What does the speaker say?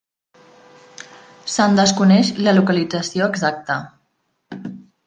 Se'n desconeix la localització exacta.